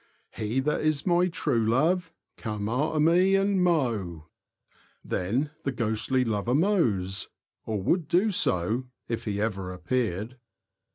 He that is my true love, Come after me and mow. Then the ghostly lover mows — or would do so if he ever appeared.